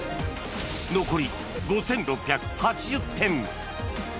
残り５６８０点。